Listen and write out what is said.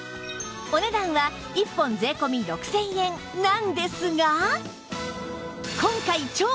お値段は１本税込６０００円なんですが